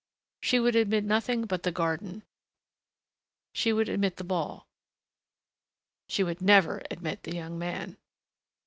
She would admit nothing but the garden.... She would admit the ball.... She would never admit the young man....